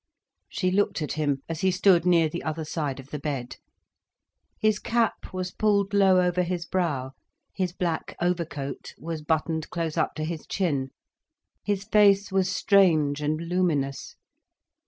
She looked at him, as he stood near the other side of the bed. His cap was pulled low over his brow, his black overcoat was buttoned close up to his chin. His face was strange and luminous.